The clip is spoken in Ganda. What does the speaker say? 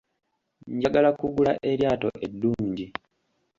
Njagala kugula eryato eddungi.